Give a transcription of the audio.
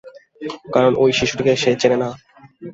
কারণ এই শিশুটিকে সে চেনে না।